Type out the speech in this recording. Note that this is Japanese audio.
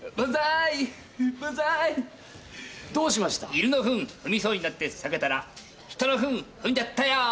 犬の糞踏みそうになって避けたら人の糞踏んじゃったよー。